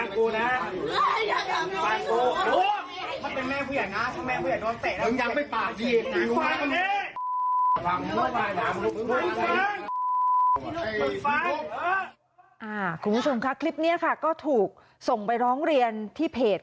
คุณผู้ชมค่ะคลิปนี้ค่ะก็ถูกส่งไปร้องเรียนที่เพจ